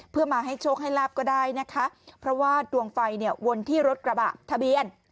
เพื่อมาให้โชคให้ลาบก็ได้นะคะเพราะว่าดวงไฟเนี่ยวนที่รถกระบะทะเบียน